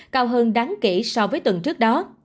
cao hơn đáng kỹ so với tuần trước đó